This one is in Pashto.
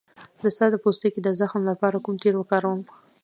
د سر د پوستکي د زخم لپاره کوم تېل وکاروم؟